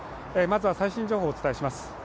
まずは最新情報をお伝えします。